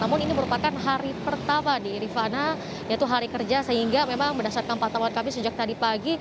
namun ini merupakan hari pertama di rifana yaitu hari kerja sehingga memang berdasarkan pantauan kami sejak tadi pagi